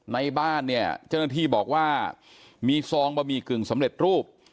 ในบ้านเนี่ยเจ้าหน้าที่บอกว่ามีซองบะหมี่กึ่งสำเร็จรูป